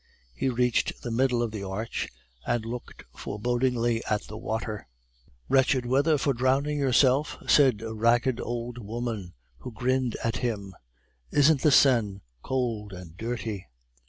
He reached the middle of the arch, and looked forebodingly at the water. "Wretched weather for drowning yourself," said a ragged old woman, who grinned at him; "isn't the Seine cold and dirty?"